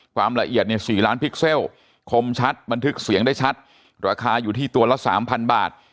ความละเอียดเนี่ย๔ล้านพิกเซลคมชัดบันทึกเสียงได้ชัดราคาอยู่ที่ตัวละ๓๐๐บาท